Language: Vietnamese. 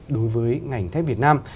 đối với ngành thép việt nam